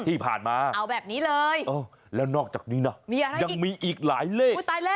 ที่ผ่านมาเอาแบบนี้เลยแล้วนอกจากนี้นะยังมีอีกหลายเลข